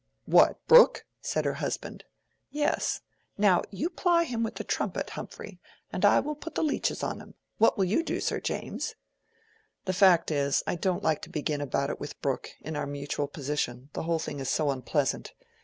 "What! Brooke?" said her husband. "Yes. Now, you ply him with the 'Trumpet,' Humphrey; and I will put the leeches on him. What will you do, Sir James?" "The fact is, I don't like to begin about it with Brooke, in our mutual position; the whole thing is so unpleasant.